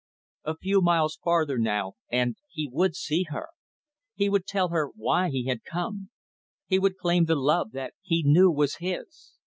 A few miles farther, now, and he would see her. He would tell her why he had come. He would claim the love that he knew was his.